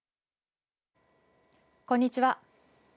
こんにちは。